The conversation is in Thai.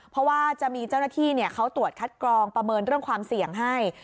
เพราะว่าจะมีเจ้าหน้าที่เขาตรวจคัดกรองประเมินเรื่องความเสี่ยงให้